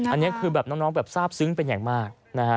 อันนี้คือน้องซาบซึ้งเป็นอย่างมาก